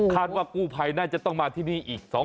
คาดว่ากู้พัยน่าจะต้องมาที่นี่อีก๒๓วัน